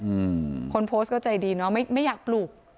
อืมคนโพสต์ก็ใจดีเนอะไม่ไม่อยากปลุก